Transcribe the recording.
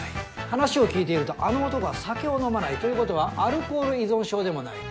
話を聞いているとあの男は酒を飲まない。ということはアルコール依存症でもない。